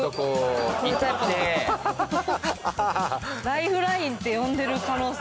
ライフラインって呼んでる可能性。